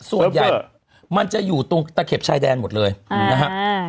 ส่วนใหญ่มันจะอยู่ตรงตะเข็บไช่แดนหมดเลยนะครับ